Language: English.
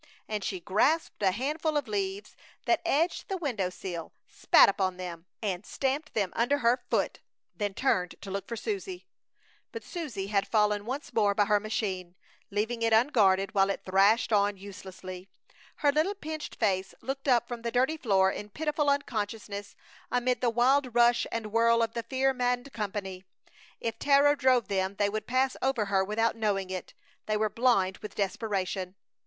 And she grasped a handful of leaves that edged the window sill, spat upon them, and stamped them under her foot, then turned to look for Susie. But Susie had fallen once more by her machine, leaving it unguarded while it thrashed on uselessly. Her little pinched face looked up from the dirty floor in pitiful unconsciousness amid the wild rush and whirl of the fear maddened company. If terror drove them they would pass over her without knowing it. They were blind with desperation.